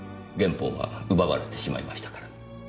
原本は奪われてしまいましたから。